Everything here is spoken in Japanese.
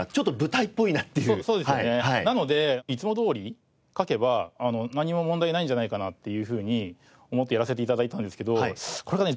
なのでいつもどおり書けば何も問題ないんじゃないかなっていうふうに思ってやらせて頂いたんですけどこれがね